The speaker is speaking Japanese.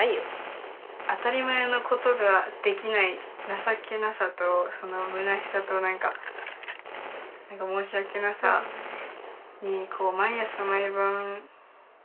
当たり前のことができない情けなさと虚しさとなんか申し訳なさに毎朝毎晩駆られて。